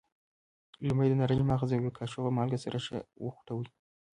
لومړی د نارنج مغز او یوه کاشوغه مالګه سره ښه وخوټوئ.